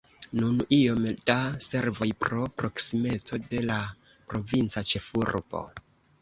Nun iom da servoj pro proksimeco de la provinca ĉefurbo.